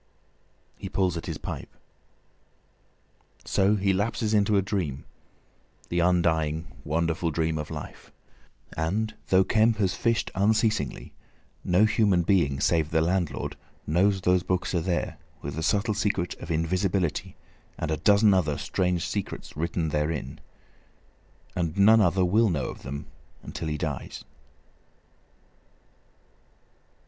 He pulls at his pipe. So he lapses into a dream, the undying wonderful dream of his life. And though Kemp has fished unceasingly, no human being save the landlord knows those books are there, with the subtle secret of invisibility and a dozen other strange secrets written therein. And none other will know of them until he dies.